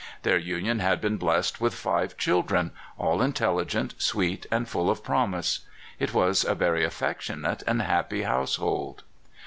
Their union had been blessed with five children, all intelligent, sweet, and full of promise. It was a very affec tionate and happy household.